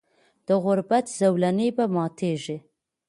د غربت زولنې به ماتیږي.